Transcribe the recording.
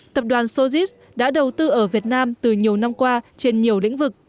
tập đoàn sojis đã đầu tư ở việt nam từ nhiều năm qua trên nhiều lĩnh vực